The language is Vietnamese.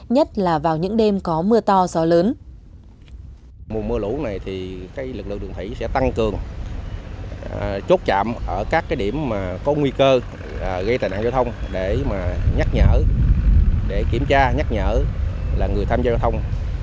nhất là vào những đêm có mưa to gió lớn